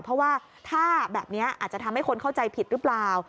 เพราะว่าถ้าแบบนี้อาจจะทำให้คนเข้าใจผิดหรือเปล่า